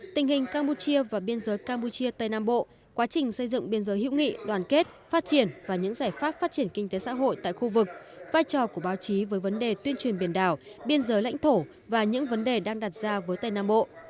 tình hình campuchia và biên giới campuchia tây nam bộ quá trình xây dựng biên giới hữu nghị đoàn kết phát triển và những giải pháp phát triển kinh tế xã hội tại khu vực vai trò của báo chí với vấn đề tuyên truyền biển đảo biên giới lãnh thổ và những vấn đề đang đặt ra với tây nam bộ